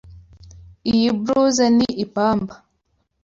Iyi blouse ni ipamba.